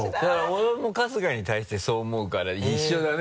俺も春日に対してそう思うから一緒だね